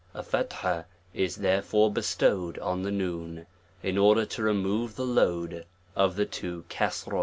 A Fut'hah is therefore bestowed on the ^, in order to remove the load of the two Kusre.